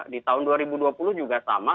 di tahun dua ribu dua puluh juga sama